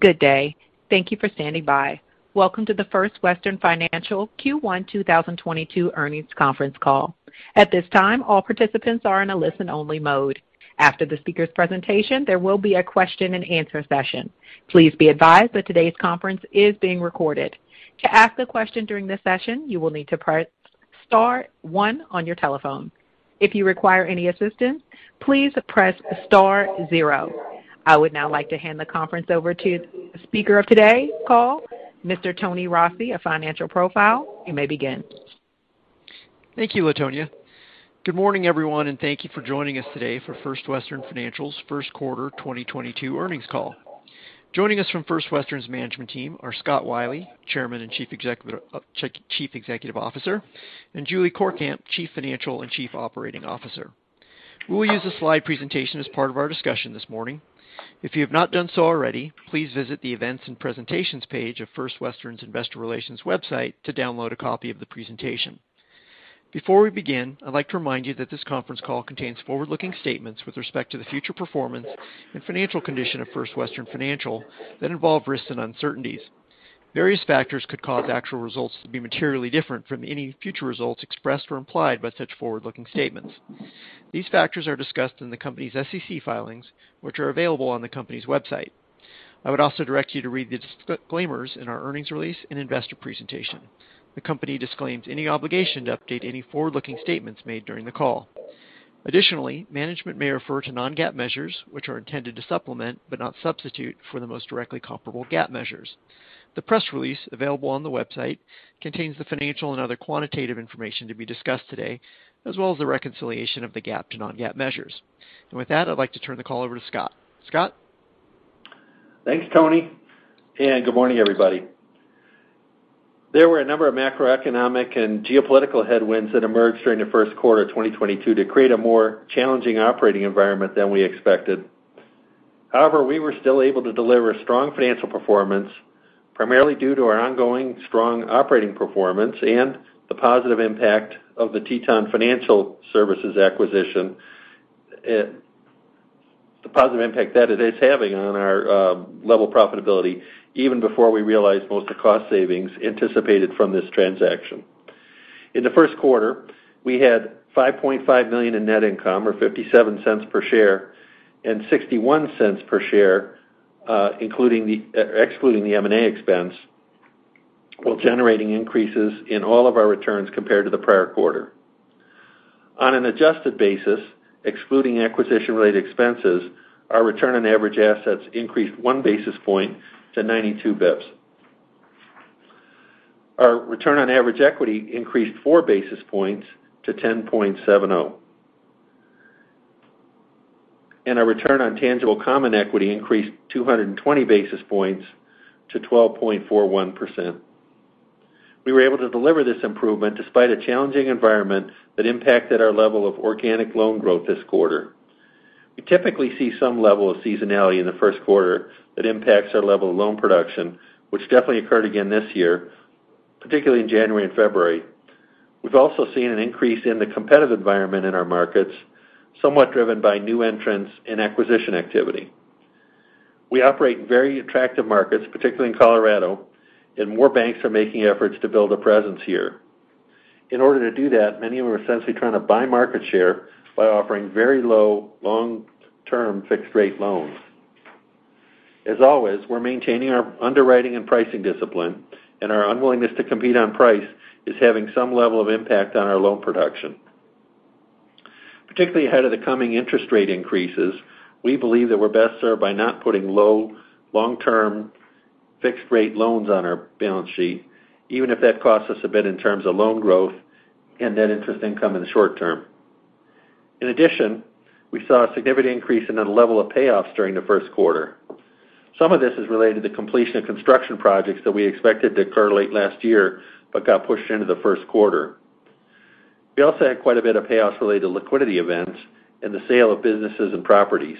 Good day. Thank you for standing by. Welcome to the First Western Financial Q1 2022 earnings conference call. At this time, all participants are in a listen-only mode. After the speaker's presentation, there will be a question-and-answer session. Please be advised that today's conference is being recorded. To ask a question during this session, you will need to press star one on your telephone. If you require any assistance, please press star zero. I would now like to hand the conference over to the speaker of today's call, Mr. Tony Rossi of Financial Profiles. You may begin. Thank you, Latonia. Good morning, everyone, and thank you for joining us today for First Western Financial's first quarter 2022 earnings call. Joining us from First Western's management team are Scott Wylie, Chairman and Chief Executive Officer, and Julie Courkamp, Chief Financial and Chief Operating Officer. We will use a slide presentation as part of our discussion this morning. If you have not done so already, please visit the Events and Presentations page of First Western's Investor Relations website to download a copy of the presentation. Before we begin, I'd like to remind you that this conference call contains forward-looking statements with respect to the future performance and financial condition of First Western Financial that involve risks and uncertainties. Various factors could cause actual results to be materially different from any future results expressed or implied by such forward-looking statements. These factors are discussed in the company's SEC filings, which are available on the company's website. I would also direct you to read the disclaimers in our earnings release and investor presentation. The company disclaims any obligation to update any forward-looking statements made during the call. Additionally, management may refer to non-GAAP measures, which are intended to supplement but not substitute for the most directly comparable GAAP measures. The press release available on the website contains the financial and other quantitative information to be discussed today, as well as the reconciliation of the GAAP to non-GAAP measures. With that, I'd like to turn the call over to Scott Wylie. Scott Wylie? Thanks, Tony, and good morning, everybody. There were a number of macroeconomic and geopolitical headwinds that emerged during the first quarter of 2022 to create a more challenging operating environment than we expected. However, we were still able to deliver strong financial performance, primarily due to our ongoing strong operating performance and the positive impact of the Teton Financial Services acquisition. The positive impact that it is having on our level of profitability even before we realized most of the cost savings anticipated from this transaction. In the first quarter, we had $5.5 million in net income, or $0.57 per share, and $0.61 per share excluding the M&A expense, while generating increases in all of our returns compared to the prior quarter. On an adjusted basis, excluding acquisition-related expenses, our return on average assets increased 1 basis point to 92 basis points. Our return on average equity increased 4 basis points to 10.70. Our return on tangible common equity increased 220 basis points to 12.41%. We were able to deliver this improvement despite a challenging environment that impacted our level of organic loan growth this quarter. We typically see some level of seasonality in the first quarter that impacts our level of loan production, which definitely occurred again this year, particularly in January and February. We've also seen an increase in the competitive environment in our markets, somewhat driven by new entrants and acquisition activity. We operate in very attractive markets, particularly in Colorado, and more banks are making efforts to build a presence here. In order to do that, many of them are essentially trying to buy market share by offering very low long-term fixed rate loans. As always, we're maintaining our underwriting and pricing discipline, and our unwillingness to compete on price is having some level of impact on our loan production. Particularly ahead of the coming interest rate increases, we believe that we're best served by not putting low long-term fixed rate loans on our balance sheet, even if that costs us a bit in terms of loan growth and net interest income in the short term. In addition, we saw a significant increase in the level of payoffs during the first quarter. Some of this is related to completion of construction projects that we expected to occur late last year but got pushed into the first quarter. We also had quite a bit of payoffs related to liquidity events and the sale of businesses and properties.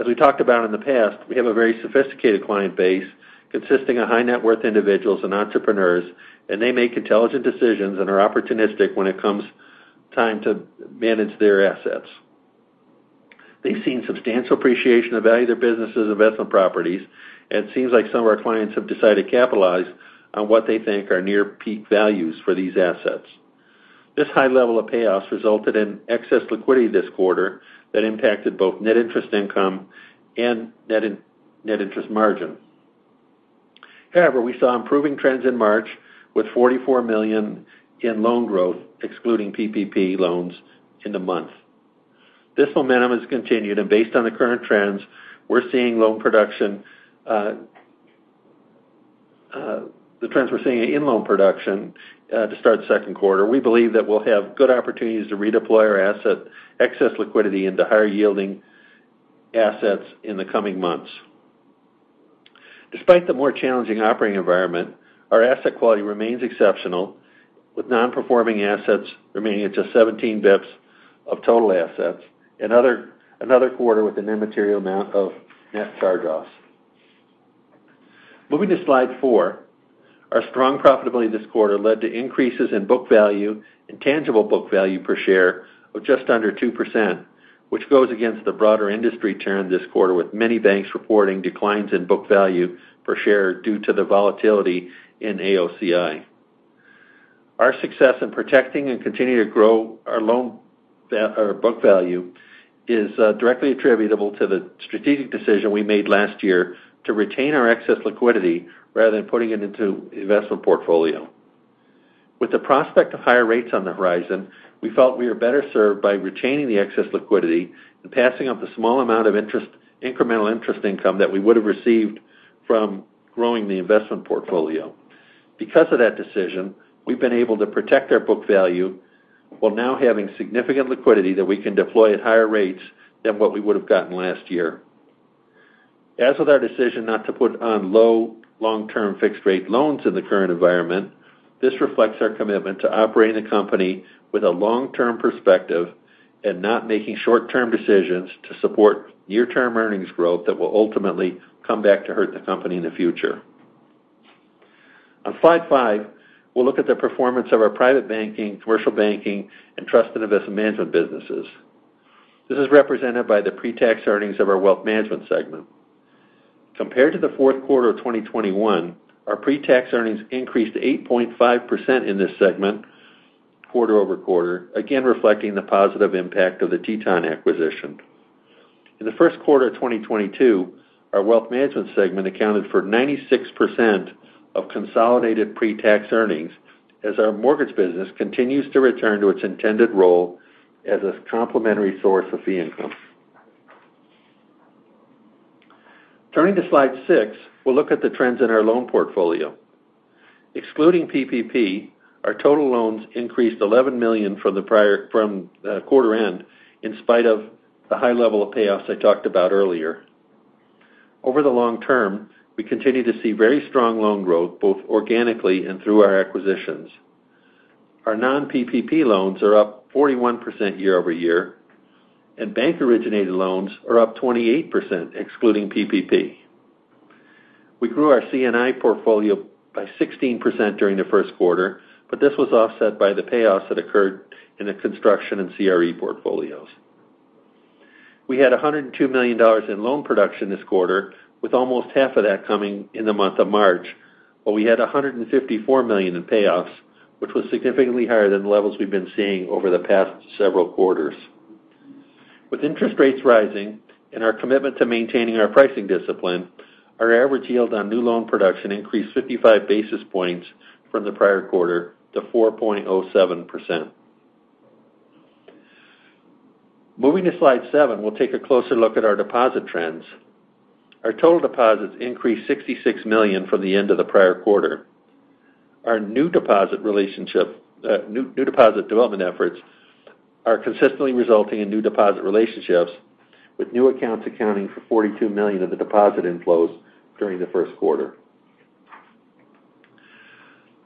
As we talked about in the past, we have a very sophisticated client base consisting of high-net-worth individuals and entrepreneurs, and they make intelligent decisions and are opportunistic when it comes time to manage their assets. They've seen substantial appreciation of the value of their businesses and investment properties, and it seems like some of our clients have decided to capitalize on what they think are near peak values for these assets. This high level of payoffs resulted in excess liquidity this quarter that impacted both net interest income and net interest margin. However, we saw improving trends in March with $44 million in loan growth, excluding PPP loans in the month. This momentum has continued, and based on the current trends, we're seeing loan production. The trends we're seeing in loan production to start the second quarter. We believe that we'll have good opportunities to redeploy our excess liquidity into higher-yielding assets in the coming months. Despite the more challenging operating environment, our asset quality remains exceptional, with non-performing assets remaining at just 17 basis points of total assets, another quarter with an immaterial amount of net charge-offs. Moving to slide 4, our strong profitability this quarter led to increases in book value and tangible book value per share of just under 2%, which goes against the broader industry trend this quarter, with many banks reporting declines in book value per share due to the volatility in AOCI. Our success in protecting and continuing to grow our book value is directly attributable to the strategic decision we made last year to retain our excess liquidity rather than putting it into investment portfolio. With the prospect of higher rates on the horizon, we felt we were better served by retaining the excess liquidity and passing up the small amount of incremental interest income that we would have received from growing the investment portfolio. Because of that decision, we've been able to protect our book value while now having significant liquidity that we can deploy at higher rates than what we would have gotten last year. As with our decision not to put on low long-term fixed rate loans in the current environment, this reflects our commitment to operating the company with a long-term perspective and not making short-term decisions to support near-term earnings growth that will ultimately come back to hurt the company in the future. On slide five, we'll look at the performance of our private banking, commercial banking, and trusted investment management businesses. This is represented by the pre-tax earnings of our wealth management segment. Compared to the fourth quarter of 2021, our pre-tax earnings increased 8.5% in this segment quarter-over-quarter, again reflecting the positive impact of the Teton acquisition. In the first quarter of 2022, our wealth management segment accounted for 96% of consolidated pre-tax earnings as our mortgage business continues to return to its intended role as a complementary source of fee income. Turning to slide six, we'll look at the trends in our loan portfolio. Excluding PPP, our total loans increased $11 million from the prior quarter end, in spite of the high level of payoffs I talked about earlier. Over the long term, we continue to see very strong loan growth, both organically and through our acquisitions. Our non-PPP loans are up 41% year-over-year, and bank-originated loans are up 28% excluding PPP. We grew our C&I portfolio by 16% during the first quarter, but this was offset by the payoffs that occurred in the construction and CRE portfolios. We had $102 million in loan production this quarter, with almost half of that coming in the month of March, while we had $154 million in payoffs, which was significantly higher than the levels we've been seeing over the past several quarters. With interest rates rising and our commitment to maintaining our pricing discipline, our average yield on new loan production increased 55 basis points from the prior quarter to 4.07%. Moving to slide 7, we'll take a closer look at our deposit trends. Our total deposits increased $66 million from the end of the prior quarter. Our new deposit relationship, new deposit development efforts are consistently resulting in new deposit relationships, with new accounts accounting for $42 million of the deposit inflows during the first quarter.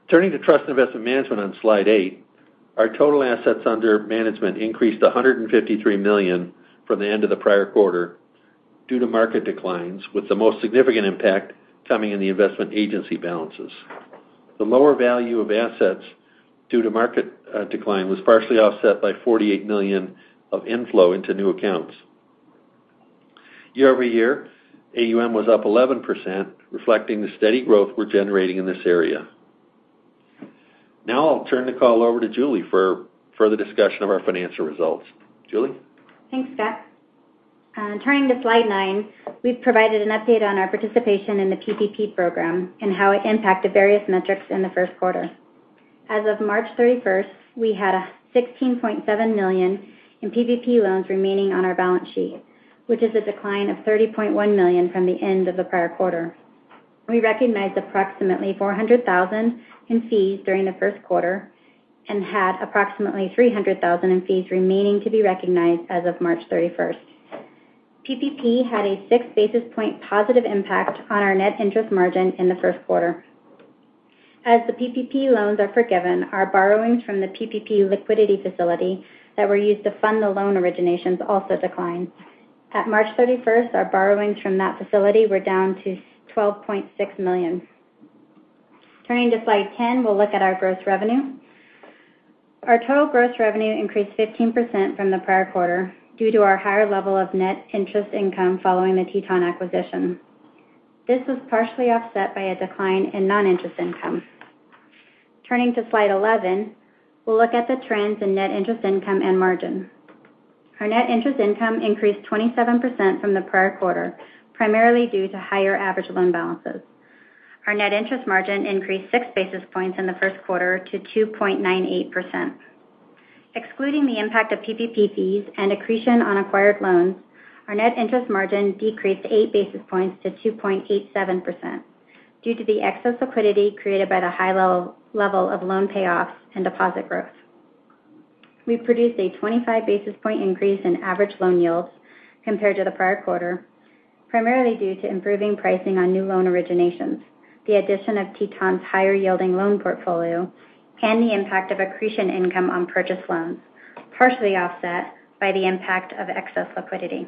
Turning to trust investment management on slide 8, our total assets under management increased to $153 million from the end of the prior quarter due to market declines, with the most significant impact coming in the investment agency balances. The lower value of assets due to market decline was partially offset by $48 million of inflow into new accounts. Year-over-year, AUM was up 11%, reflecting the steady growth we're generating in this area. Now I'll turn the call over to Julie for further discussion of our financial results. Julie? Thanks, Scott. Turning to slide 9, we've provided an update on our participation in the PPP program and how it impacted various metrics in the first quarter. As of March 31st, we had $16.7 million in PPP loans remaining on our balance sheet, which is a decline of $30.1 million from the end of the prior quarter. We recognized approximately $400,000 in fees during the first quarter and had approximately $300,000 in fees remaining to be recognized as of March 31st. PPP had a 6 basis point positive impact on our net interest margin in the first quarter. As the PPP loans are forgiven, our borrowings from the PPP liquidity facility that were used to fund the loan originations also declined. At March 31st, our borrowings from that facility were down to $12.6 million. Turning to slide 10, we'll look at our gross revenue. Our total gross revenue increased 15% from the prior quarter due to our higher level of net interest income following the Teton acquisition. This was partially offset by a decline in non-interest income. Turning to slide 11, we'll look at the trends in net interest income and margin. Our net interest income increased 27% from the prior quarter, primarily due to higher average loan balances. Our net interest margin increased 6 basis points in the first quarter to 2.98%. Excluding the impact of PPP fees and accretion on acquired loans, our net interest margin decreased 8 basis points to 2.87% due to the excess liquidity created by the high level of loan payoffs and deposit growth. We produced a 25 basis point increase in average loan yields compared to the prior quarter, primarily due to improving pricing on new loan originations, the addition of Teton's higher-yielding loan portfolio, and the impact of accretion income on purchased loans, partially offset by the impact of excess liquidity.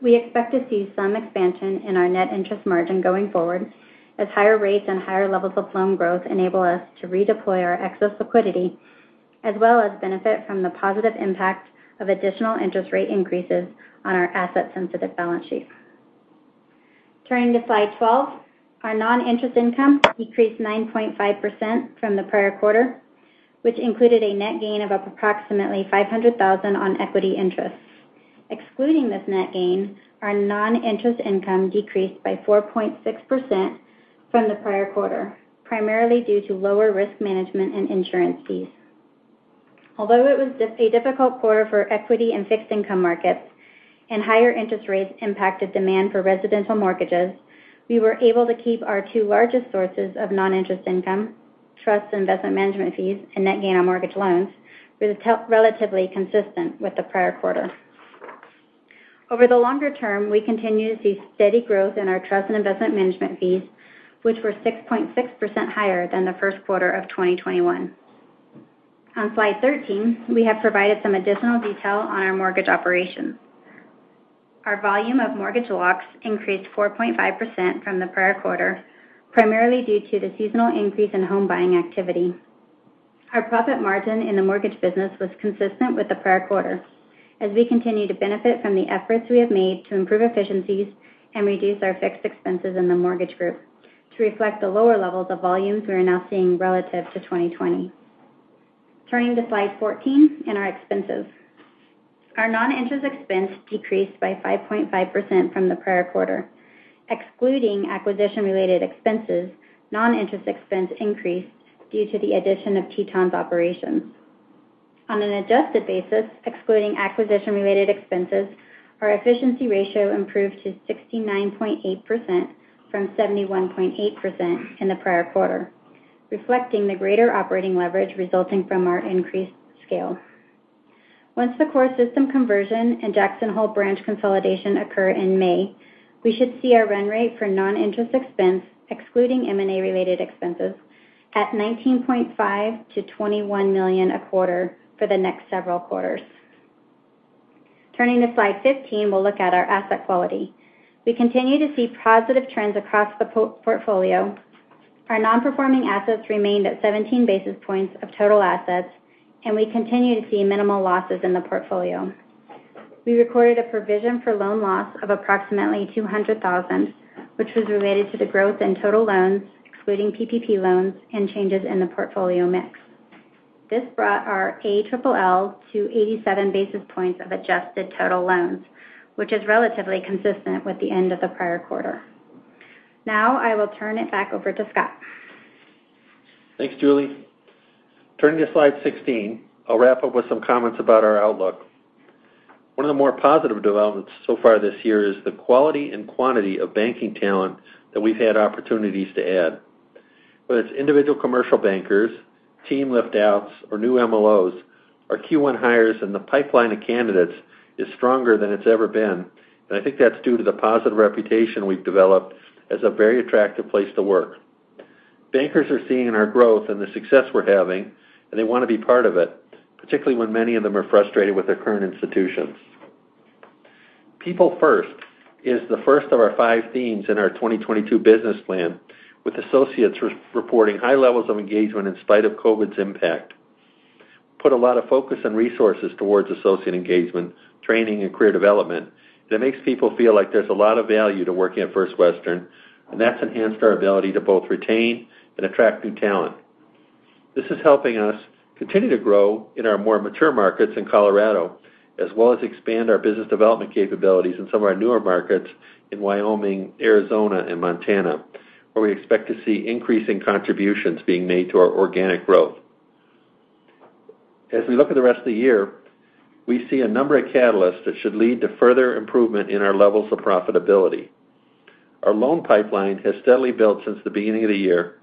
We expect to see some expansion in our net interest margin going forward as higher rates and higher levels of loan growth enable us to redeploy our excess liquidity as well as benefit from the positive impact of additional interest rate increases on our asset-sensitive balance sheet. Turning to slide 12. Our non-interest income decreased 9.5% from the prior quarter, which included a net gain of approximately $500,000 on equity interest. Excluding this net gain, our non-interest income decreased by 4.6% from the prior quarter, primarily due to lower risk management and insurance fees. Although it was difficult quarter for equity and fixed income markets and higher interest rates impacted demand for residential mortgages, we were able to keep our two largest sources of non-interest income, trust investment management fees and net gain on mortgage loans were relatively consistent with the prior quarter. Over the longer term, we continue to see steady growth in our trust and investment management fees, which were 6.6% higher than the first quarter of 2021. On slide 13, we have provided some additional detail on our mortgage operations. Our volume of mortgage locks increased 4.5% from the prior quarter, primarily due to the seasonal increase in home buying activity. Our profit margin in the mortgage business was consistent with the prior quarter as we continue to benefit from the efforts we have made to improve efficiencies and reduce our fixed expenses in the mortgage group to reflect the lower levels of volumes we are now seeing relative to 2020. Turning to slide 14 in our expenses. Our non-interest expense decreased by 5.5% from the prior quarter. Excluding acquisition related expenses, non-interest expense increased due to the addition of Teton's operations. On an adjusted basis, excluding acquisition related expenses, our efficiency ratio improved to 69.8% from 71.8% in the prior quarter, reflecting the greater operating leverage resulting from our increased scale. Once the core system conversion and Jackson Hole branch consolidation occur in May, we should see our run rate for non-interest expense, excluding M&A related expenses at $19.5-$21 million a quarter for the next several quarters. Turning to slide 15, we'll look at our asset quality. We continue to see positive trends across the portfolio. Our non-performing assets remained at 17 basis points of total assets, and we continue to see minimal losses in the portfolio. We recorded a provision for loan loss of approximately $200,000, which was related to the growth in total loans, excluding PPP loans and changes in the portfolio mix. This brought our ALL to 87 basis points of adjusted total loans, which is relatively consistent with the end of the prior quarter. Now I will turn it back over to Scott. Thanks, Julie. Turning to slide 16, I'll wrap up with some comments about our outlook. One of the more positive developments so far this year is the quality and quantity of banking talent that we've had opportunities to add. Whether it's individual commercial bankers, team lift outs or new MLOs, our Q1 hires and the pipeline of candidates is stronger than it's ever been. I think that's due to the positive reputation we've developed as a very attractive place to work. Bankers are seeing in our growth and the success we're having, and they wanna be part of it, particularly when many of them are frustrated with their current institutions. People first is the first of our five themes in our 2022 business plan, with associates reporting high levels of engagement in spite of COVID's impact. Put a lot of focus and resources towards associate engagement, training, and career development that makes people feel like there's a lot of value to working at First Western, and that's enhanced our ability to both retain and attract new talent. This is helping us continue to grow in our more mature markets in Colorado, as well as expand our business development capabilities in some of our newer markets in Wyoming, Arizona and Montana, where we expect to see increasing contributions being made to our organic growth. As we look at the rest of the year, we see a number of catalysts that should lead to further improvement in our levels of profitability. Our loan pipeline has steadily built since the beginning of the year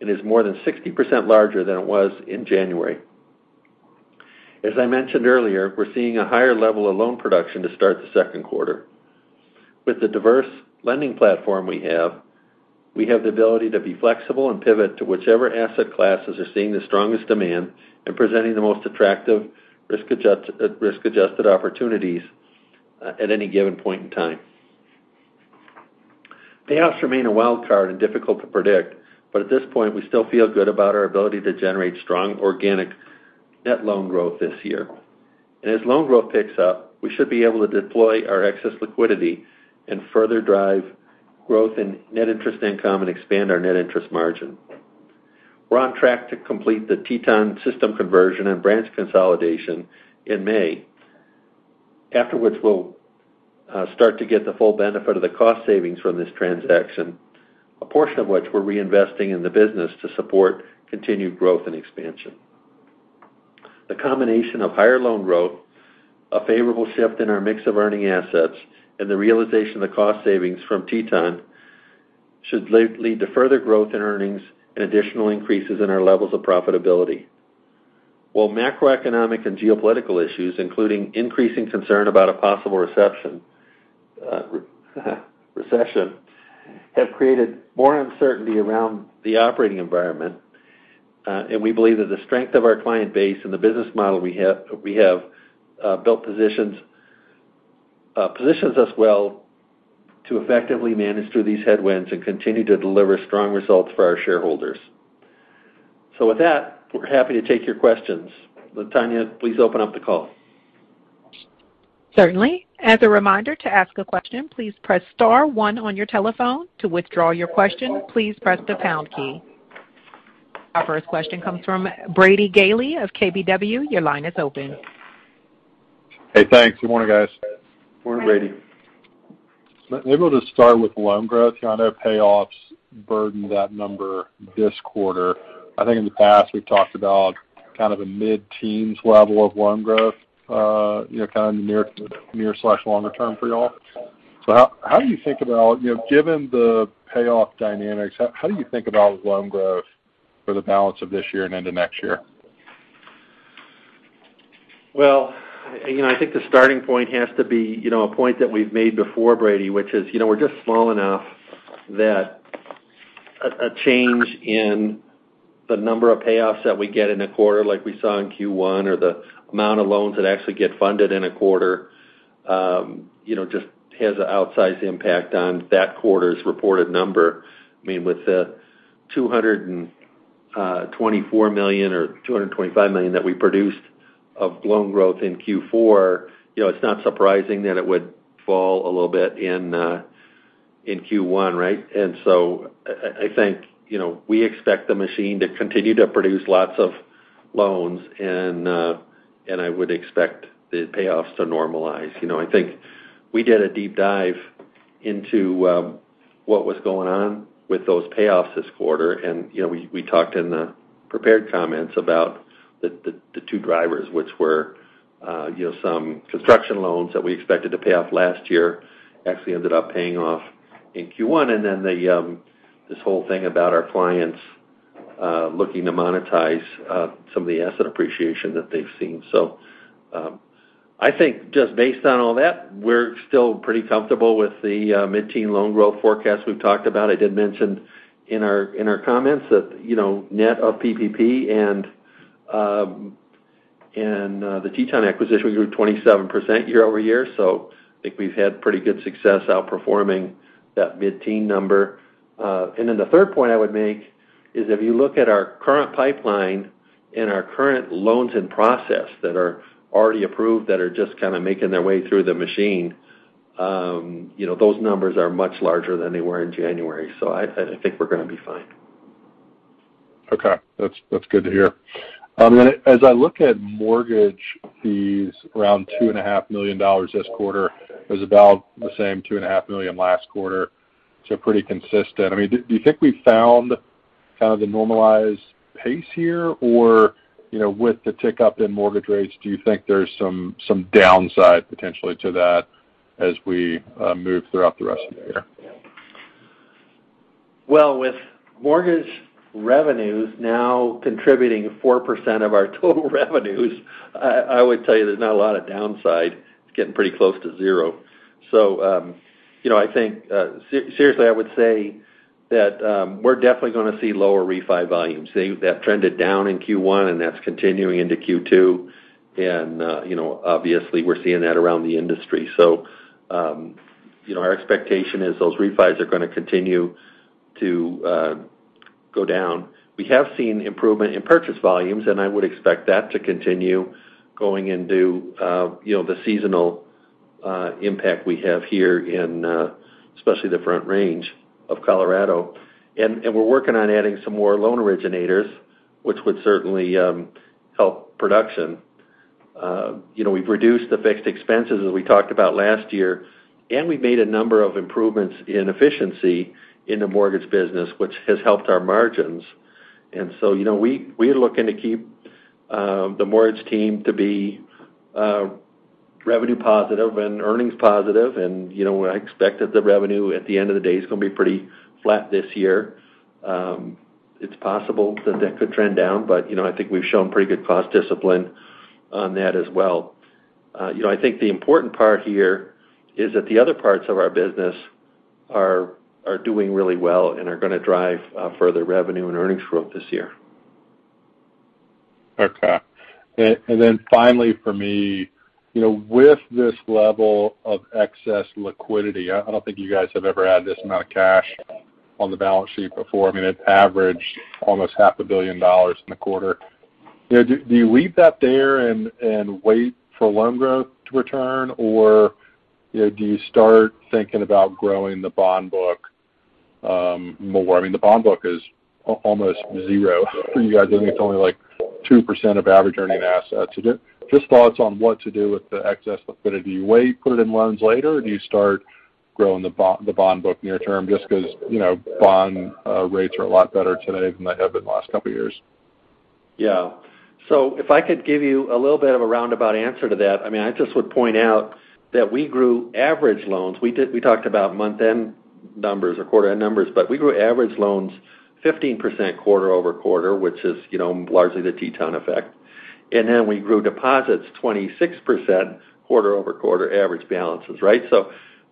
and is more than 60% larger than it was in January. As I mentioned earlier, we're seeing a higher level of loan production to start the second quarter. With the diverse lending platform we have, we have the ability to be flexible and pivot to whichever asset classes are seeing the strongest demand and presenting the most attractive risk-adjusted opportunities at any given point in time. Payoffs remain a wild card and difficult to predict, but at this point we still feel good about our ability to generate strong organic net loan growth this year. As loan growth picks up, we should be able to deploy our excess liquidity and further drive growth in net interest income and expand our net interest margin. We're on track to complete the Teton system conversion and branch consolidation in May, after which we'll start to get the full benefit of the cost savings from this transaction, a portion of which we're reinvesting in the business to support continued growth and expansion. The combination of higher loan growth, a favorable shift in our mix of earning assets, and the realization of the cost savings from Teton should lead to further growth in earnings and additional increases in our levels of profitability. While macroeconomic and geopolitical issues, including increasing concern about a possible recession, have created more uncertainty around the operating environment. We believe that the strength of our client base and the business model we have built positions us well to effectively manage through these headwinds and continue to deliver strong results for our shareholders. With that, we're happy to take your questions. Latonya, please open up the call. Certainly. As a reminder to ask a question, please press star one on your telephone. To withdraw your question, please press the pound key. Our first question comes from Brady Gailey of KBW. Your line is open. Hey, thanks. Good morning, guys. Good morning, Brady. Maybe I'll just start with loan growth. I know payoffs burdened that number this quarter. I think in the past, we've talked about kind of a mid-teens level of loan growth, you know, kind of near longer term for y'all. How do you think about, you know, given the payoff dynamics, how do you think about loan growth for the balance of this year and into next year? Well, you know, I think the starting point has to be, you know, a point that we've made before Brady, which is, you know, we're just small enough that a change in the number of payoffs that we get in a quarter like we saw in Q1, or the amount of loans that actually get funded in a quarter, you know, just has an outsized impact on that quarter's reported number. I mean, with the $224 million or $225 million that we produced of loan growth in Q4, you know, it's not surprising that it would fall a little bit in Q1, right? I think, you know, we expect the machine to continue to produce lots of loans, and I would expect the payoffs to normalize. You know, I think we did a deep dive into what was going on with those payoffs this quarter. You know, we talked in the prepared comments about the two drivers, which were you know, some construction loans that we expected to pay off last year actually ended up paying off in Q1. Then this whole thing about our clients looking to monetize some of the asset appreciation that they've seen. I think just based on all that, we're still pretty comfortable with the mid-teen loan growth forecast we've talked about. I did mention in our comments that, you know, net of PPP and the Teton acquisition grew 27% year-over-year. I think we've had pretty good success outperforming that mid-teen number. The third point I would make is if you look at our current pipeline and our current loans in process that are already approved that are just kind of making their way through the machine, you know, those numbers are much larger than they were in January. I think we're gonna be fine. Okay. That's good to hear. As I look at mortgage fees around $2.5 million this quarter, it was about the same $2.5 million last quarter, so pretty consistent. I mean, do you think we found kind of the normalized pace here? Or, you know, with the tick up in mortgage rates, do you think there's some downside potentially to that as we move throughout the rest of the year? Well, with mortgage revenues now contributing 4% of our total revenues, I would tell you there's not a lot of downside. It's getting pretty close to zero. You know, I think seriously, I would say that we're definitely gonna see lower refi volumes. That trended down in Q1, and that's continuing into Q2. You know, obviously we're seeing that around the industry. You know, our expectation is those refis are gonna continue to go down. We have seen improvement in purchase volumes, and I would expect that to continue going into you know, the seasonal impact we have here in especially the Front Range of Colorado. We're working on adding some more loan originators, which would certainly help production. You know, we've reduced the fixed expenses as we talked about last year, and we've made a number of improvements in efficiency in the mortgage business, which has helped our margins. You know, we are looking to keep the mortgage team to be revenue positive and earnings positive. You know, I expect that the revenue at the end of the day is gonna be pretty flat this year. It's possible that that could trend down, but you know, I think we've shown pretty good cost discipline on that as well. You know, I think the important part here is that the other parts of our business are doing really well and are gonna drive further revenue and earnings growth this year. Okay. Finally for me, you know, with this level of excess liquidity, I don't think you guys have ever had this amount of cash on the balance sheet before. I mean, it's averaged almost half a billion dollars in the quarter. You know, do you leave that there and wait for loan growth to return? Or, you know, do you start thinking about growing the bond book more? I mean, the bond book is almost zero for you guys. I think it's only like 2% of average earning assets. Just thoughts on what to do with the excess liquidity. Do you wait, put it in loans later, or do you start growing the bond book near term just because, you know, bond rates are a lot better today than they have been the last couple of years? Yeah. If I could give you a little bit of a roundabout answer to that. I mean, I just would point out that we grew average loans. We talked about month-end numbers or quarter-end numbers, but we grew average loans 15% quarter-over-quarter, which is, you know, largely the Teton effect. We grew deposits 26% quarter-over-quarter average balances, right?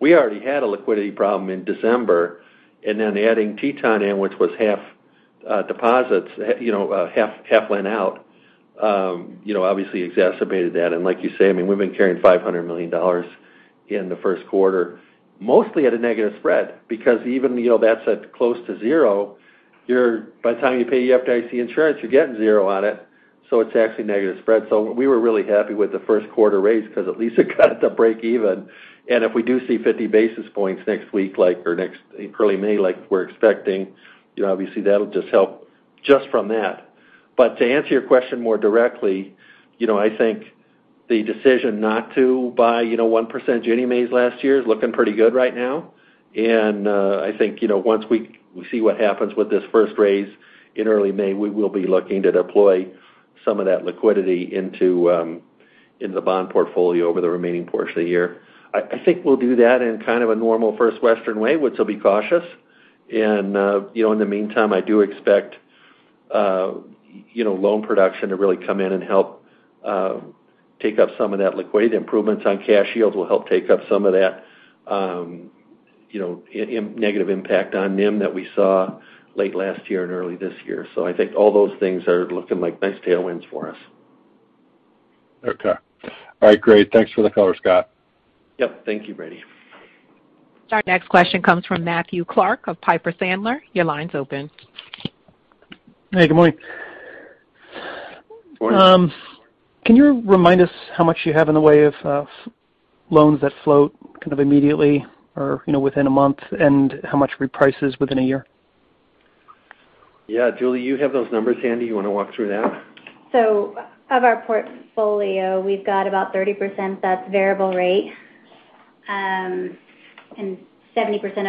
We already had a liquidity problem in December, and then adding Teton in which was half deposits, you know, half lent out, you know, obviously exacerbated that. Like you say, I mean, we've been carrying $500 million in the first quarter, mostly at a negative spread, because even, you know, that's at close to zero, by the time you pay FDIC insurance, you're getting zero on it, so it's actually negative spread. We were really happy with the first quarter raise because at least it kind of broke even. If we do see 50 basis points next week or in early May, like we're expecting, you know, obviously that'll just help just from that. To answer your question more directly, you know, I think the decision not to buy, you know, 1% Ginnie Mae's last year is looking pretty good right now. I think, you know, once we see what happens with this first raise in early May, we will be looking to deploy some of that liquidity into the bond portfolio over the remaining portion of the year. I think we'll do that in kind of a normal First Western way, which will be cautious. You know, in the meantime, I do expect, you know, loan production to really come in and help take up some of that liquidity. The improvements on cash yields will help take up some of that, you know, negative impact on NIM that we saw late last year and early this year. I think all those things are looking like nice tailwinds for us. Okay. All right, great. Thanks for the color, Scott. Yep. Thank you, Brady. Our next question comes from Matthew Clark of Piper Sandler. Your line's open. Hey, good morning. Good morning. Can you remind us how much you have in the way of loans that float kind of immediately or, you know, within a month, and how much reprices within a year? Yeah. Julie, you have those numbers handy. You wanna walk through that? Of our portfolio, we've got about 30% that's variable rate. 70%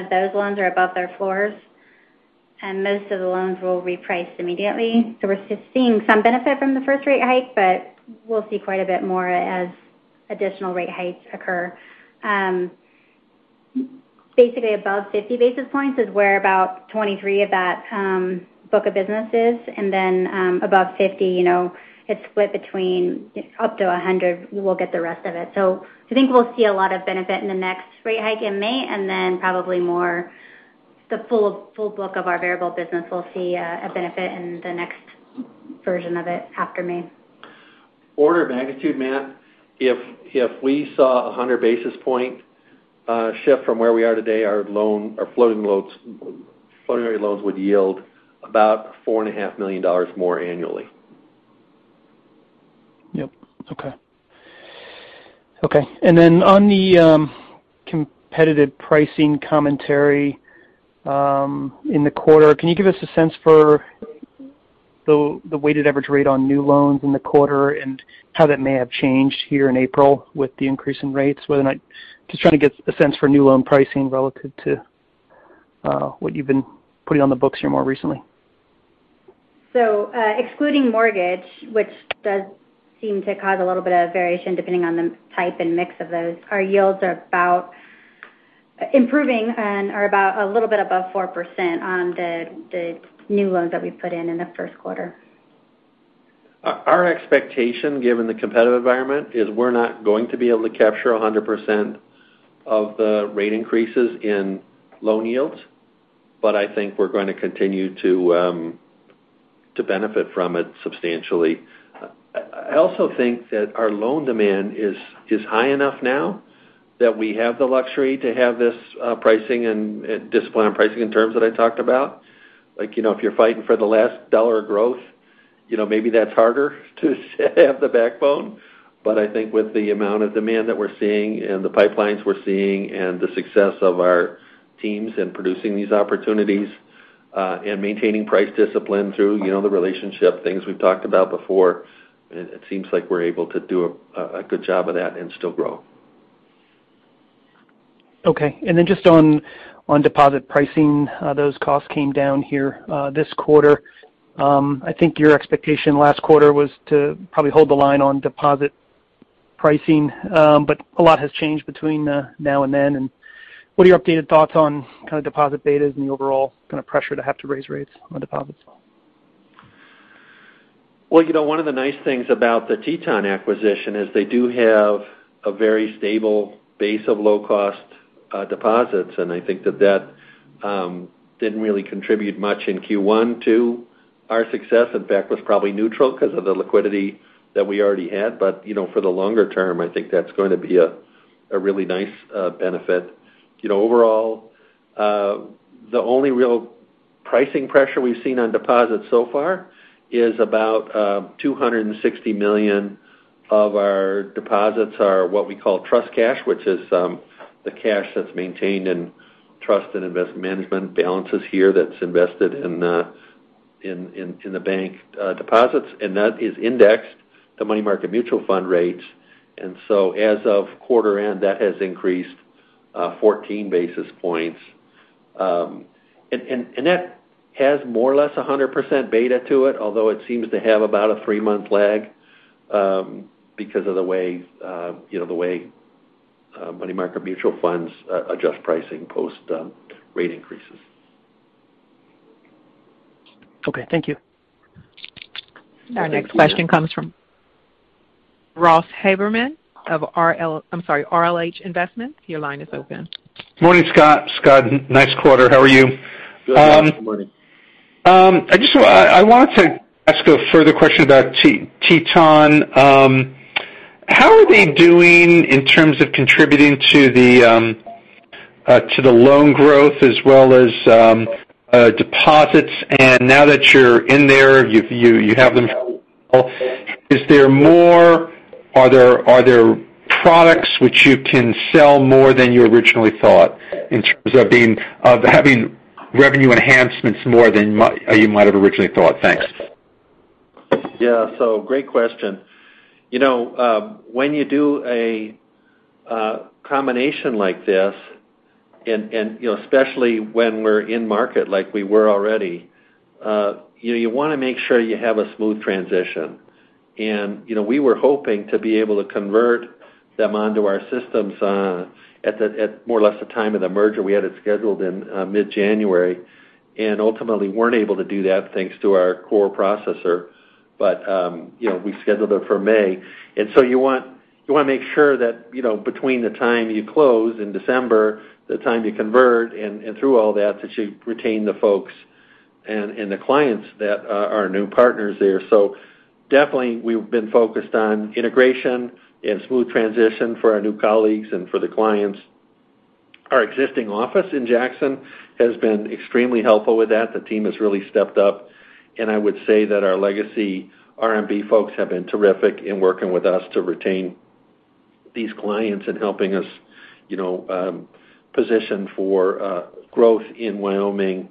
of those loans are above their floors, and most of the loans will reprice immediately. We're seeing some benefit from the first rate hike, but we'll see quite a bit more as additional rate hikes occur. Basically above 50 basis points is where about 23% of that book of business is. Then, above 50, it's split between up to 100, we'll get the rest of it. I think we'll see a lot of benefit in the next rate hike in May, and then probably more, the full book of our variable business will see a benefit in the next version of it after May. Order of magnitude, Matt, if we saw 100 basis points shift from where we are today, our floating rate loans would yield about $4.5 million more annually. On the competitive pricing commentary in the quarter, can you give us a sense for the weighted average rate on new loans in the quarter and how that may have changed here in April with the increase in rates, whether or not. Just trying to get a sense for new loan pricing relative to what you've been putting on the books here more recently. Excluding mortgage, which does seem to cause a little bit of variation depending on the type and mix of those, our yields are about improving and are about a little bit above 4% on the new loans that we put in in the first quarter. Our expectation, given the competitive environment, is we're not going to be able to capture 100% of the rate increases in loan yields, but I think we're going to continue to benefit from it substantially. I also think that our loan demand is high enough now that we have the luxury to have this pricing and discipline on pricing in terms that I talked about. Like, you know, if you're fighting for the last dollar of growth, you know, maybe that's harder to have the backbone. I think with the amount of demand that we're seeing and the pipelines we're seeing and the success of our teams in producing these opportunities, and maintaining price discipline through, you know, the relationship things we've talked about before, it seems like we're able to do a good job of that and still grow. Okay. Then just on deposit pricing, those costs came down here this quarter. I think your expectation last quarter was to probably hold the line on deposit pricing. A lot has changed between now and then. What are your updated thoughts on kind of deposit betas and the overall kind of pressure to have to raise rates on deposits? Well, you know, one of the nice things about the Teton acquisition is they do have a very stable base of low cost deposits. I think that didn't really contribute much in Q1 to our success. In fact, it was probably neutral because of the liquidity that we already had. You know, for the longer term, I think that's going to be a really nice benefit. You know, overall, the only real pricing pressure we've seen on deposits so far is about $260 million of our deposits are what we call trust cash, which is the cash that's maintained in trust and invest management balances here that's invested in the bank deposits, and that is indexed to money market mutual fund rates. As of quarter end, that has increased 14 basis points. That has more or less 100% beta to it, although it seems to have about a three-month lag because of the way, you know, the way money market mutual funds adjust pricing post rate increases. Okay, thank you. Our next question comes from Ross Haberman of RLH Investments. Your line is open. Morning, Scott. Scott, nice quarter. How are you? Good. Thanks for the morning. I wanted to ask a further question about Teton. How are they doing in terms of contributing to the loan growth as well as deposits? Now that you're in there, you have them, are there products which you can sell more than you originally thought in terms of having revenue enhancements more than you might have originally thought? Thanks. Yeah. Great question. You know, when you do a combination like this and, you know, especially when we're in a market like we were already, you know, you wanna make sure you have a smooth transition. You know, we were hoping to be able to convert them onto our systems at more or less the time of the merger. We had it scheduled in mid-January, and ultimately weren't able to do that thanks to our core processor. You know, we scheduled it for May. You want, you wanna make sure that, you know, between the time you close in December, the time you convert and through all that you retain the folks and the clients that are new partners there. Definitely we've been focused on integration and smooth transition for our new colleagues and for the clients. Our existing office in Jackson has been extremely helpful with that. The team has really stepped up. I would say that our legacy RMB folks have been terrific in working with us to retain these clients and helping us, you know, position for growth in Wyoming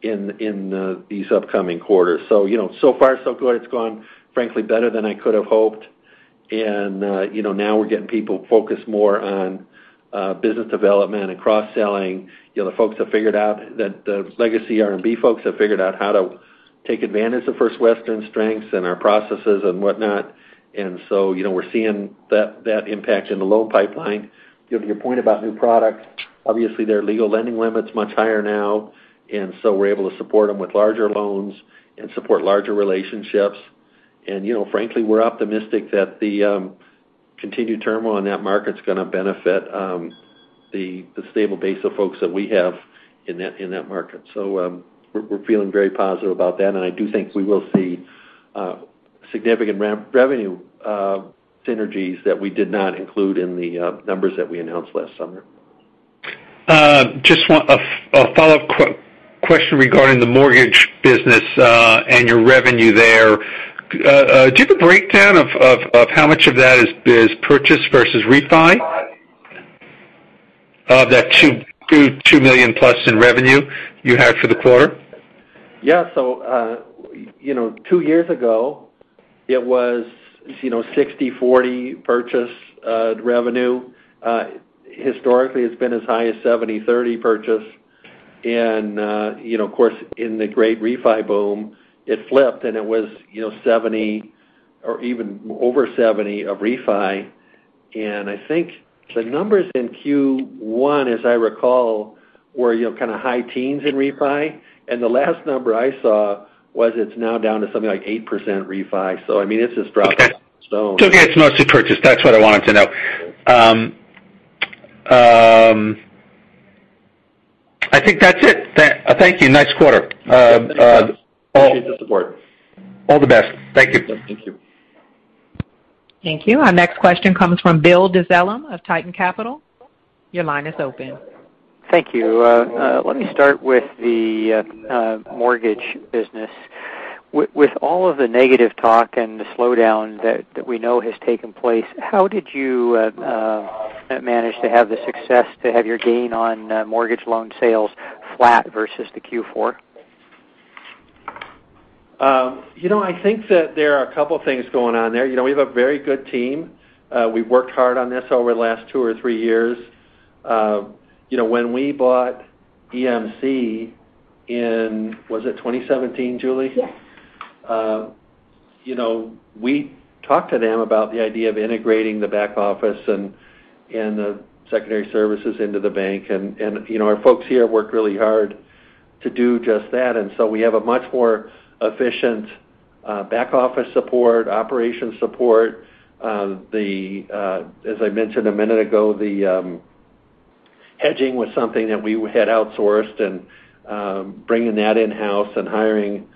in these upcoming quarters. You know, so far, so good. It's gone, frankly, better than I could have hoped. You know, now we're getting people focused more on business development and cross-selling. You know, the folks have figured out that the legacy RMB folks have figured out how to take advantage of First Western's strengths and our processes and whatnot. You know, we're seeing that impact in the loan pipeline. To your point about new product, obviously, their legal lending limit's much higher now, and so we're able to support them with larger loans and support larger relationships. You know, frankly, we're optimistic that the continued turmoil in that market is gonna benefit the stable base of folks that we have in that market. We're feeling very positive about that, and I do think we will see significant revenue synergies that we did not include in the numbers that we announced last summer. Just a follow-up question regarding the mortgage business and your revenue there. Do you have a breakdown of how much of that is purchase versus refi? Of that $2 million plus in revenue you had for the quarter. Yeah. You know, two years ago, it was, you know, 60/40 purchase revenue. Historically, it's been as high as 70/30 purchase. You know, of course, in the great refi boom, it flipped, and it was, you know, 70 or even over 70% of refi. I think the numbers in Q1, as I recall, were, you know, kind of high teens in refi. The last number I saw was it's now down to something like 8% refi. I mean, it's just dropped. Okay. So- It's mostly purchase. That's what I wanted to know. I think that's it. Thank you. Nice quarter. Yes, thank you. Appreciate the support. All the best. Thank you. Thank you. Thank you. Our next question comes from Bill Dezellem of Tieton Capital. Your line is open. Thank you. Let me start with the mortgage business. With all of the negative talk and the slowdown that we know has taken place, how did you manage to have the success to have your gain on mortgage loan sales flat versus the Q4? You know, I think that there are a couple of things going on there. You know, we have a very good team. We've worked hard on this over the last two or three years. You know, when we bought EMC in, was it 2017, Julie? Yes. You know, we talked to them about the idea of integrating the back office and the secondary services into the bank. You know, our folks here worked really hard to do just that. We have a much more efficient back office support, operations support. As I mentioned a minute ago, the hedging was something that we had outsourced, and bringing that in-house and hiring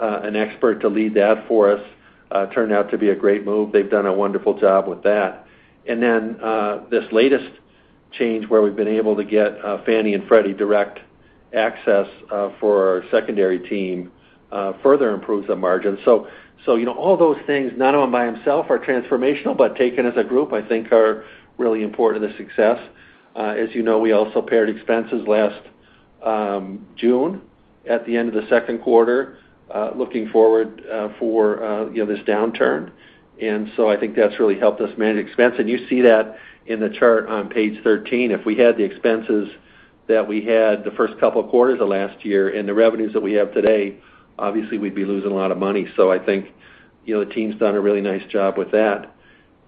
an expert to lead that for us turned out to be a great move. They've done a wonderful job with that. This latest change where we've been able to get Fannie and Freddie direct access for our secondary team further improves the margin. You know, all those things, none of them by themselves are transformational, but taken as a group, I think are really important to success. As you know, we also pared expenses last June at the end of the second quarter, looking forward for you know this downturn. I think that's really helped us manage expenses. You see that in the chart on page 13. If we had the expenses that we had the first couple of quarters of last year and the revenues that we have today, obviously, we'd be losing a lot of money. I think you know the team's done a really nice job with that.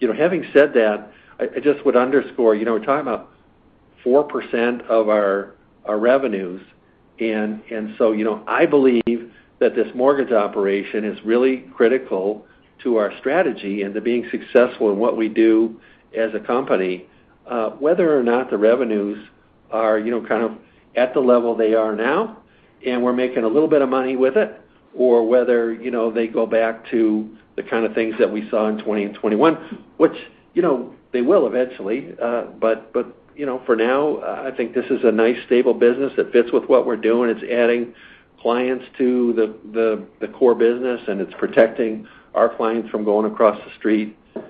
You know, having said that, I just would underscore, you know, we're talking about 4% of our revenues. You know, I believe that this mortgage operation is really critical to our strategy and to being successful in what we do as a company, whether or not the revenues are, you know, kind of at the level they are now, and we're making a little bit of money with it or whether, you know, they go back to the kind of things that we saw in 2020 and 2021, which, you know, they will eventually. You know, for now, I think this is a nice stable business that fits with what we're doing. It's adding clients to the core business, and it's protecting our clients from going across the street. I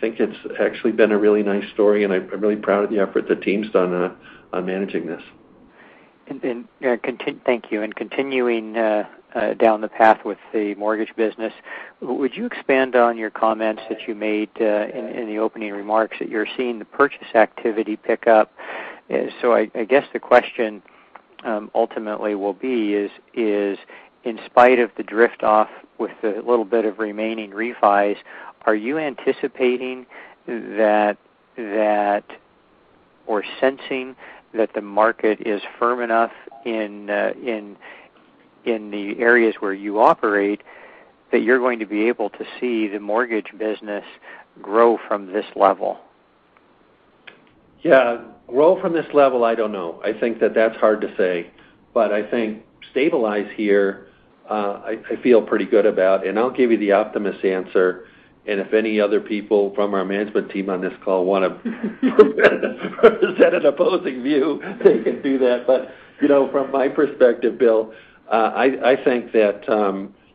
think it's actually been a really nice story, and I'm really proud of the effort the team's done on managing this. Thank you, continuing down the path with the mortgage business, would you expand on your comments that you made in the opening remarks that you're seeing the purchase activity pick up? I guess the question ultimately will be is in spite of the drift off with the little bit of remaining refis, are you anticipating that or sensing that the market is firm enough in the areas where you operate, that you're going to be able to see the mortgage business grow from this level? Yeah. Grow from this level, I don't know. I think that that's hard to say. I think stabilize here, I feel pretty good about. I'll give you the optimistic answer. If any other people from our management team on this call want to present an opposing view, they can do that. You know, from my perspective, Bill, I think that,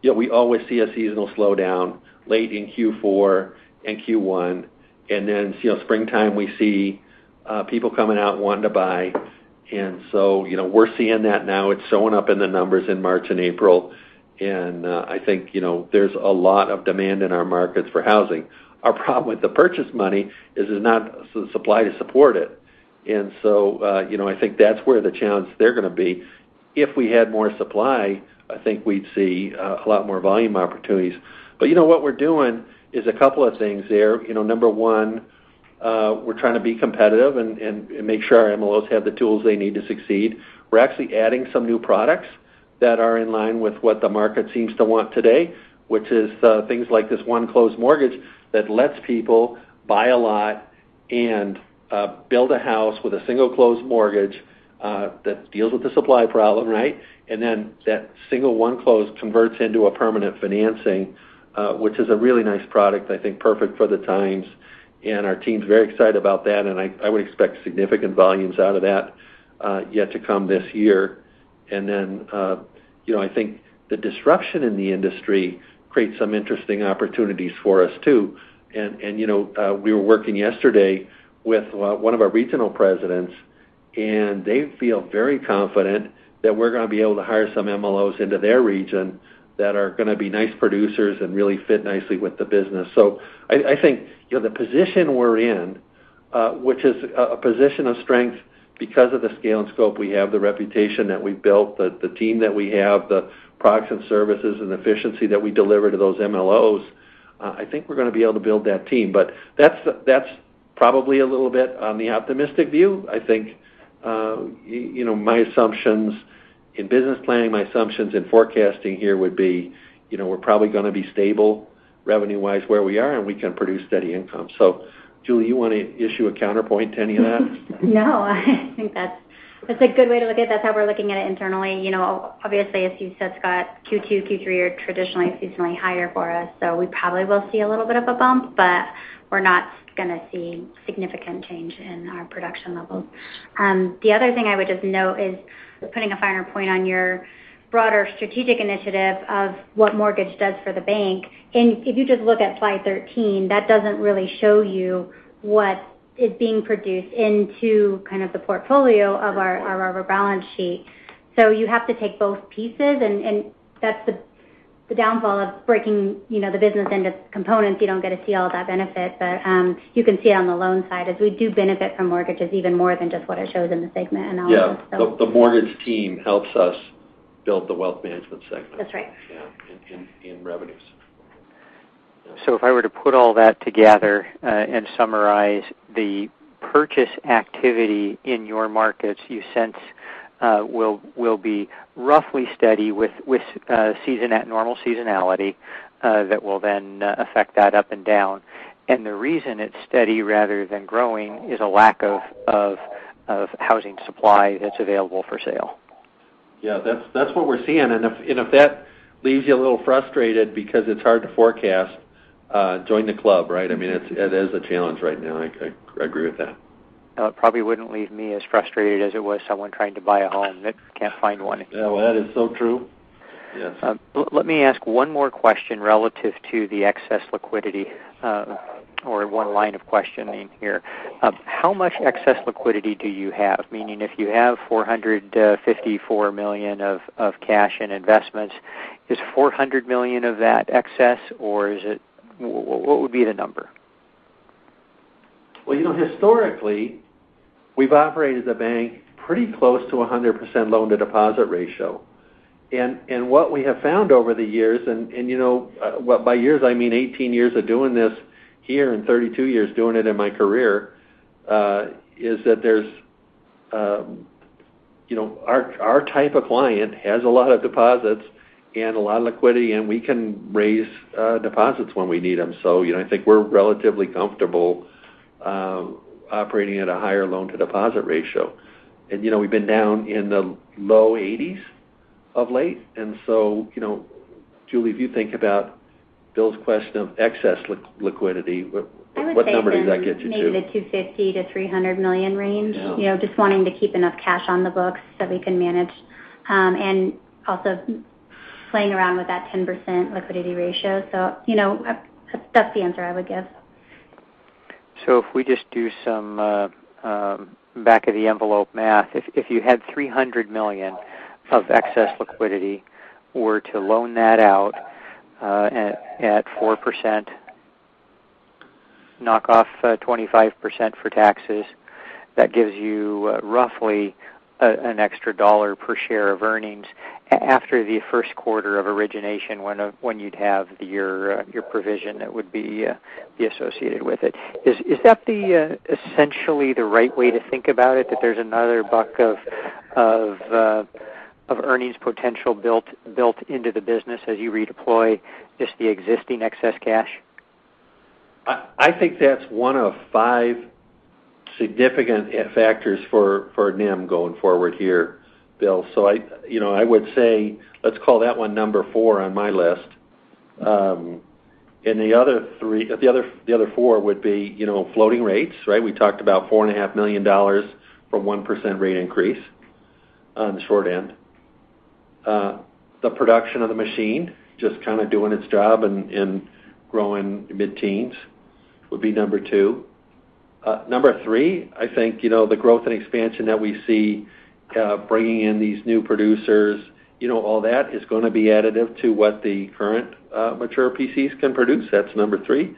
you know, we always see a seasonal slowdown late in Q4 and Q1. Then, you know, springtime, we see people coming out wanting to buy. You know, we're seeing that now. It's showing up in the numbers in March and April. I think, you know, there's a lot of demand in our markets for housing. Our problem with the purchase money is there's not supply to support it. You know, I think that's where the challenge they're gonna be. If we had more supply, I think we'd see a lot more volume opportunities. You know, what we're doing is a couple of things there. You know, number one, we're trying to be competitive and make sure our MLOs have the tools they need to succeed. We're actually adding some new products that are in line with what the market seems to want today, which is things like this one-close mortgage that lets people buy a lot and build a house with a single-close mortgage that deals with the supply problem, right? That single one-close converts into a permanent financing, which is a really nice product, I think perfect for the times. Our team's very excited about that, and I would expect significant volumes out of that yet to come this year. You know, I think the disruption in the industry creates some interesting opportunities for us too. You know, we were working yesterday with one of our regional presidents, and they feel very confident that we're gonna be able to hire some MLOs into their region that are gonna be nice producers and really fit nicely with the business. I think, you know, the position we're in, which is a position of strength because of the scale and scope we have, the reputation that we've built, the team that we have, the products and services and efficiency that we deliver to those MLOs, I think we're gonna be able to build that team. That's probably a little bit on the optimistic view. I think, you know, my assumptions in business planning, my assumptions in forecasting here would be, you know, we're probably gonna be stable revenue-wise where we are, and we can produce steady income. Julie, you wanna issue a counterpoint to any of that? No. I think that's a good way to look at it. That's how we're looking at it internally. You know, obviously, as you said, Scott, Q2, Q3 are traditionally seasonally higher for us, so we probably will see a little bit of a bump, but we're not gonna see significant change in our production levels. The other thing I would just note is putting a finer point on your broader strategic initiative of what mortgage does for the bank. If you just look at slide 13, that doesn't really show you what is being produced into kind of the portfolio of our balance sheet. You have to take both pieces, and that's the downfall of breaking, you know, the business into components. You don't get to see all that benefit. You can see it on the loan side as we do benefit from mortgages even more than just what it shows in the segment analysis. Yeah. The mortgage team helps us build the wealth management segment. That's right. Yeah. In revenues. Yeah. If I were to put all that together and summarize the purchase activity in your markets will be roughly steady with normal seasonality, that will then affect that up and down. The reason it's steady rather than growing is a lack of housing supply that's available for sale. Yeah. That's what we're seeing. If that leaves you a little frustrated because it's hard to forecast, join the club, right? I mean, it's, it is a challenge right now. I agree with that. It probably wouldn't leave me as frustrated as it would someone trying to buy a home that can't find one. Yeah. Well, that is so true. Yes. Let me ask one more question relative to the excess liquidity, or one line of questioning here. How much excess liquidity do you have? Meaning if you have $454 million of cash and investments, is $400 million of that excess, or is it? What would be the number? Well, you know, historically we've operated the bank pretty close to a 100% loan-to-deposit ratio. What we have found over the years, you know, well, by years, I mean 18 years of doing this here and 32 years doing it in my career, is that there's, you know, our type of client has a lot of deposits and a lot of liquidity, and we can raise deposits when we need them. You know, I think we're relatively comfortable operating at a higher loan-to-deposit ratio. You know, we've been down in the low 80s of late. You know, Julie, if you think about Bill's question of excess liquidity, what number does that get you to? I would say in maybe the $250-$300 million range. Yeah. You know, just wanting to keep enough cash on the books so we can manage, and also playing around with that 10% liquidity ratio. You know, that's the answer I would give. If we just do some back of the envelope math, if you had $300 million of excess liquidity were to loan that out, at 4%, knock off 25% for taxes, that gives you roughly an extra $1 per share of earnings after the first quarter of origination when you'd have your provision that would be associated with it. Is that essentially the right way to think about it, that there's another $1 of earnings potential built into the business as you redeploy just the existing excess cash? I think that's one of five significant factors for NIM going forward here, Bill. So, you know, I would say let's call that one number four on my list. The other four would be, you know, floating rates, right? We talked about $4.5 million from 1% rate increase on the short end. The production of the machine just kind of doing its job and growing mid-teens would be number two. Number three, I think, you know, the growth and expansion that we see, bringing in these new producers, you know, all that is gonna be additive to what the current, mature PCs can produce. That's number three.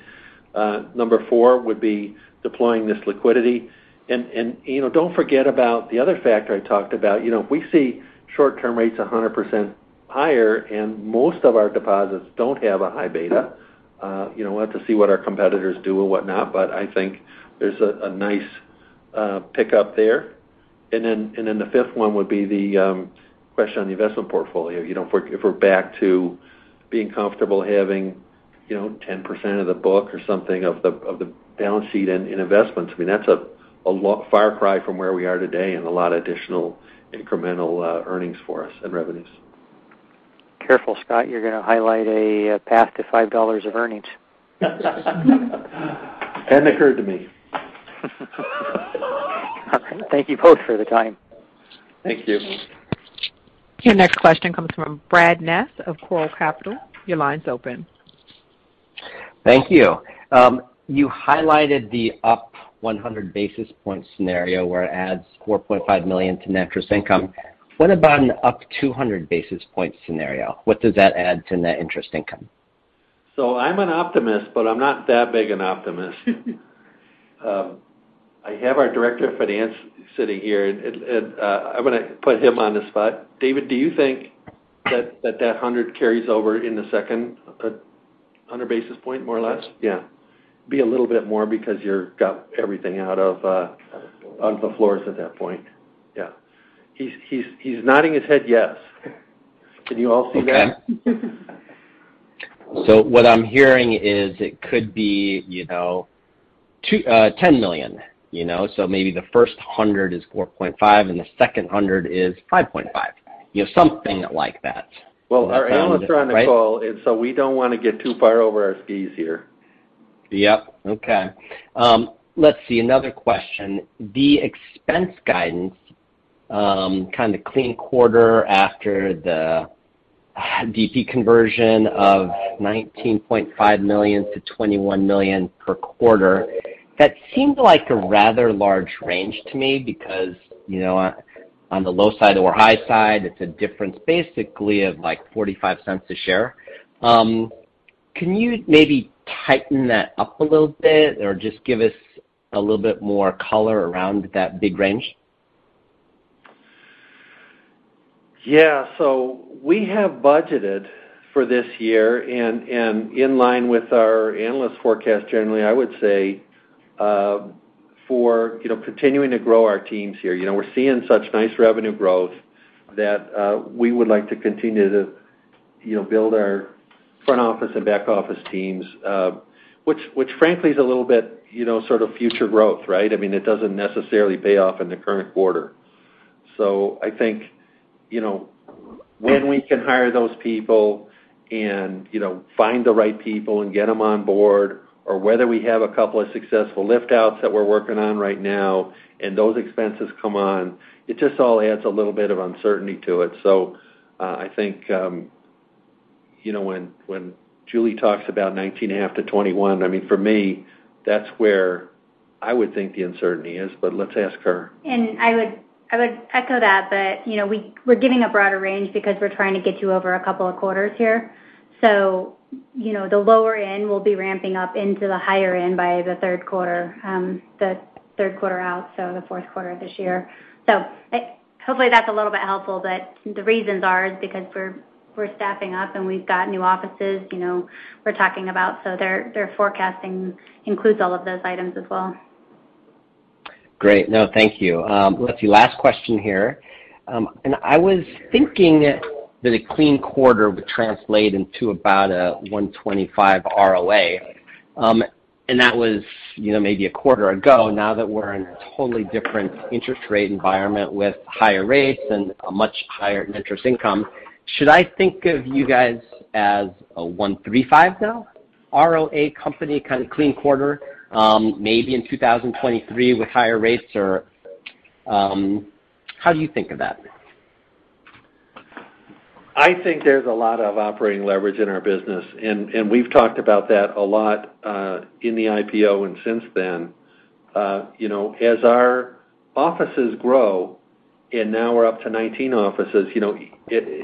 Number four would be deploying this liquidity. And, you know, don't forget about the other factor I talked about. You know, if we see short-term rates 100% higher and most of our deposits don't have a high beta, you know, we'll have to see what our competitors do and whatnot, but I think there's a nice pickup there. Then the fifth one would be the question on the investment portfolio. You know, if we're back to being comfortable having, you know, 10% of the book or something of the balance sheet in investments, I mean, that's a far cry from where we are today and a lot of additional incremental earnings for us and revenues. Careful, Scott, you're gonna highlight a path to $5 of earnings. Hadn't occurred to me. All right. Thank you both for the time. Thank you. Mm-hmm. Your next question comes from Brad Ness of Choral Capital. Your line's open. Thank you. You highlighted the up 100 basis points scenario where it adds $4.5 million to net interest income. What about an up 200 basis points scenario? What does that add to net interest income? I'm an optimist, but I'm not that big an optimist. I have our director of finance sitting here, and I'm gonna put him on the spot. David, do you think that 100 carries over in the second 100 basis point, more or less? Yeah. Be a little bit more because you've got everything out of Out of the floors. Out of the frame at that point. Yeah. He's nodding his head yes. Can you all see that? What I'm hearing is it could be, you know, $10 million, you know. Maybe the first 100 is $4.5, and the second 100 is $5.5. You know, something like that. Well, our analyst trying to call, and so we don't wanna get too far over our skis here. Yep. Okay. Let's see, another question. The expense guidance, kind of clean quarter after the DP conversion of $19.5 million-$21 million per quarter, that seems like a rather large range to me because, you know, on the low side or high side, it's a difference basically of, like, $0.45 a share. Can you maybe tighten that up a little bit or just give us a little bit more color around that big range? Yeah. We have budgeted for this year and in line with our analyst forecast generally, I would say, for you know continuing to grow our teams here. You know, we're seeing such nice revenue growth that we would like to continue to you know build our front office and back office teams, which frankly is a little bit you know sort of future growth, right? I mean, it doesn't necessarily pay off in the current quarter. I think you know when we can hire those people and you know find the right people and get them on board or whether we have a couple of successful lift outs that we're working on right now and those expenses come on, it just all adds a little bit of uncertainty to it. I think, you know, when Julie talks about 19.5-21, I mean, for me, that's where I would think the uncertainty is. Let's ask her. I would echo that, but you know, we're giving a broader range because we're trying to get you over a couple of quarters here. You know, the lower end will be ramping up into the higher end by the third quarter out, so the fourth quarter of this year. Hopefully, that's a little bit helpful, but the reasons are is because we're staffing up and we've got new offices, you know, we're talking about, so their forecasting includes all of those items as well. Great. No, thank you. Last question here. I was thinking that a clean quarter would translate into about a 1.25 ROA. That was, you know, maybe a quarter ago now that we're in a totally different interest rate environment with higher rates and a much higher interest income. Should I think of you guys as a 1.35 now ROA company kind of clean quarter, maybe in 2023 with higher rates? Or, how do you think of that? I think there's a lot of operating leverage in our business, and we've talked about that a lot in the IPO and since then. You know, as our offices grow, and now we're up to 19 offices, you know,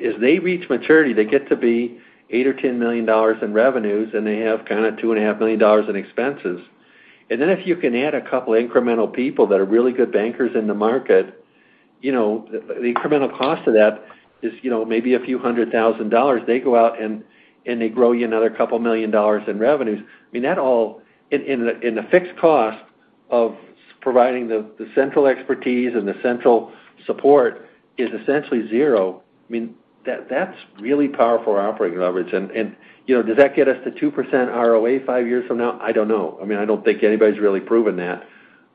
as they reach maturity, they get to be $8 million or $10 million in revenues, and they have kinda $2.5 million in expenses. Then if you can add a couple incremental people that are really good bankers in the market, you know, the incremental cost of that is, you know, maybe a few hundred thousand dollars. They go out and they grow you another couple million dollars in revenues. I mean, that all in the fixed cost of providing the central expertise and the central support is essentially zero. I mean, that's really powerful operating leverage. You know, does that get us to 2% ROA five years from now? I don't know. I mean, I don't think anybody's really proven that.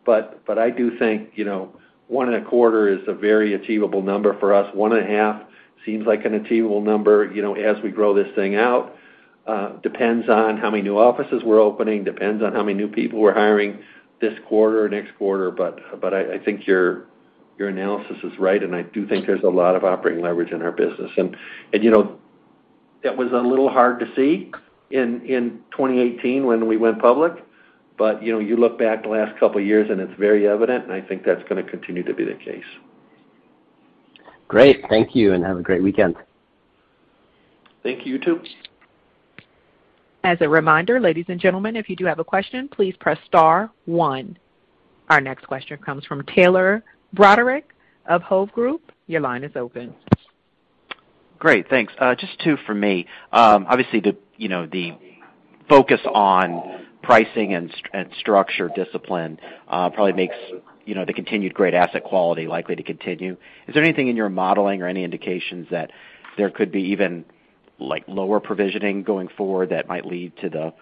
I do think, you know, 1.25% is a very achievable number for us. 1.5% seems like an achievable number, you know, as we grow this thing out. Depends on how many new offices we're opening, depends on how many new people we're hiring this quarter or next quarter. I think your analysis is right, and I do think there's a lot of operating leverage in our business. You know, it was a little hard to see in 2018 when we went public, but you know, you look back the last couple of years and it's very evident, and I think that's gonna continue to be the case. Great. Thank you, and have a great weekend. Thank you too. As a reminder, ladies and gentlemen, if you do have a question, please press star one. Our next question comes from Taylor Brodarick of Hovde Group. Your line is open. Great, thanks. Just two for me. Obviously, you know, the focus on pricing and structure discipline probably makes, you know, the continued great asset quality likely to continue. Is there anything in your modeling or any indications that there could be even, like, lower provisioning going forward that might lead to the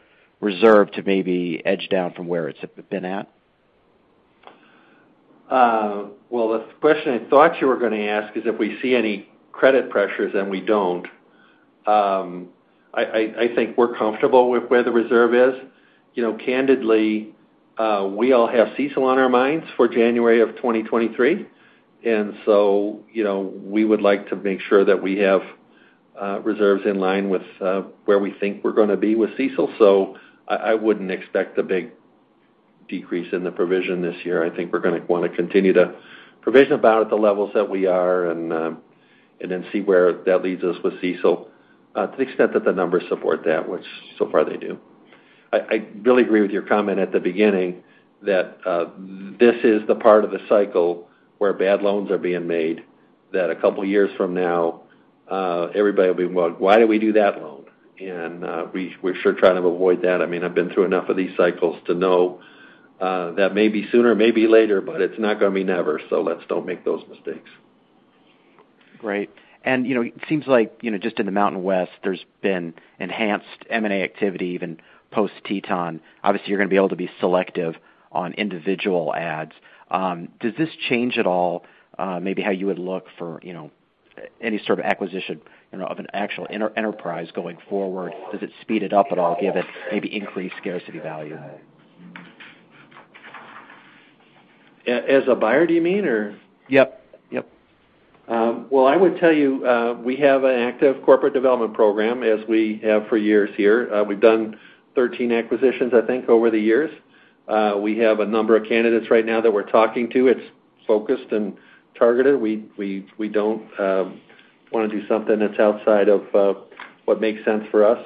reserve to maybe edge down from where it's been at? The question I thought you were gonna ask is if we see any credit pressures, and we don't. I think we're comfortable with where the reserve is. You know, candidly, we all have CECL on our minds for January of 2023. You know, we would like to make sure that we have reserves in line with where we think we're gonna be with CECL. I wouldn't expect a big decrease in the provision this year. I think we're gonna wanna continue to provision about at the levels that we are and then see where that leads us with CECL, to the extent that the numbers support that, which so far they do. I really agree with your comment at the beginning that this is the part of the cycle where bad loans are being made, that a couple of years from now everybody will be, "Well, why do we do that loan?" We're sure trying to avoid that. I mean, I've been through enough of these cycles to know that may be sooner, may be later, but it's not gonna be never. Let's don't make those mistakes. Great. You know, it seems like, you know, just in the Mountain West, there's been enhanced M&A activity, even post Teton. Obviously, you're gonna be able to be selective on individual adds. Does this change at all, maybe how you would look for, you know, any sort of acquisition, you know, of an actual enterprise going forward? Does it speed it up at all, give it maybe increased scarcity value? As a buyer, do you mean, or? Yep. Yep. Well, I would tell you, we have an active corporate development program as we have for years here. We've done 13 acquisitions, I think, over the years. We have a number of candidates right now that we're talking to. It's focused and targeted. We don't wanna do something that's outside of what makes sense for us.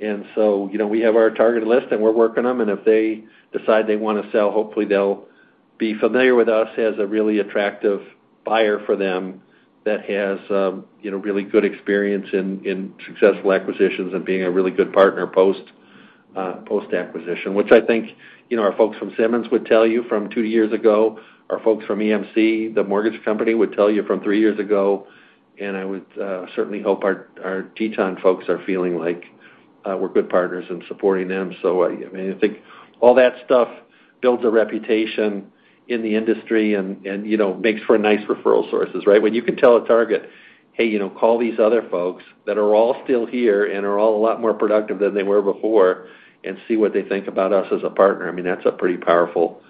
You know, we have our targeted list, and we're working them, and if they decide they wanna sell, hopefully they'll be familiar with us as a really attractive buyer for them that has, you know, really good experience in successful acquisitions and being a really good partner post-acquisition, which I think, you know, our folks from Simmons would tell you from two years ago, our folks from EMC, the mortgage company, would tell you from three years ago, and I would certainly hope our Teton folks are feeling like we're good partners in supporting them. I mean, I think all that stuff builds a reputation in the industry and, you know, makes for nice referral sources, right? When you can tell a target, "Hey, you know, call these other folks that are all still here and are all a lot more productive than they were before and see what they think about us as a partner," I mean, that's a pretty powerful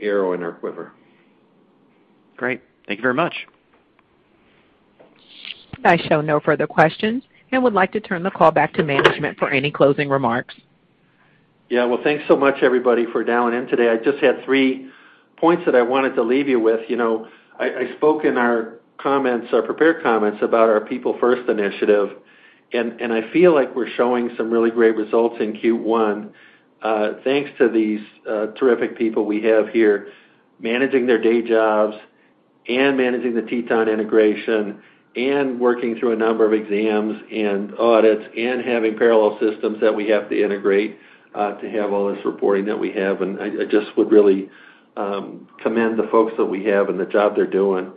arrow in our quiver. Great. Thank you very much. I show no further questions and would like to turn the call back to management for any closing remarks. Yeah. Well, thanks so much everybody for dialing in today. I just had three points that I wanted to leave you with. You know, I spoke in our comments, our prepared comments about our people first initiative, and I feel like we're showing some really great results in Q1, thanks to these terrific people we have here managing their day jobs and managing the Teton integration and working through a number of exams and audits and having parallel systems that we have to integrate to have all this reporting that we have. I just would really commend the folks that we have and the job they're doing,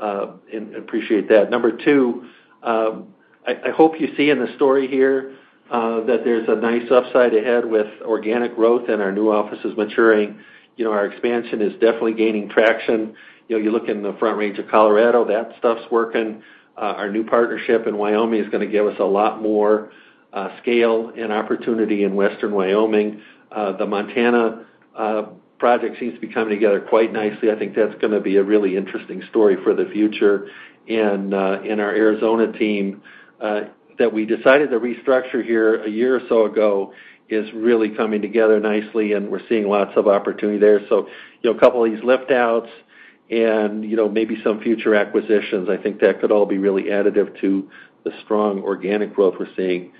and appreciate that. Number two, I hope you see in the story here that there's a nice upside ahead with organic growth and our new offices maturing. You know, our expansion is definitely gaining traction. You know, you look in the Front Range of Colorado, that stuff's working. Our new partnership in Wyoming is gonna give us a lot more scale and opportunity in western Wyoming. The Montana project seems to be coming together quite nicely. I think that's gonna be a really interesting story for the future. Our Arizona team that we decided to restructure here a year or so ago is really coming together nicely, and we're seeing lots of opportunity there. You know, a couple of these lift outs and, you know, maybe some future acquisitions, I think that could all be really additive to the strong organic growth we're seeing.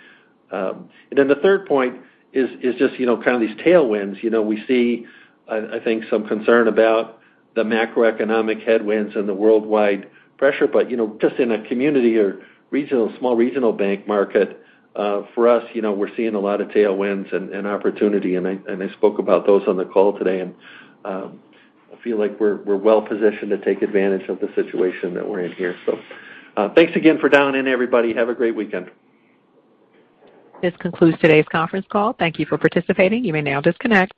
Then the third point is just, you know, kind of these tailwinds. You know, we see, I think some concern about the macroeconomic headwinds and the worldwide pressure. You know, just in a community or regional, small regional bank market, for us, you know, we're seeing a lot of tailwinds and opportunity. I spoke about those on the call today, and I feel like we're well positioned to take advantage of the situation that we're in here. Thanks again for dialing in, everybody. Have a great weekend. This concludes today's conference call. Thank you for participating. You may now disconnect.